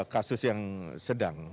kasus yang sedang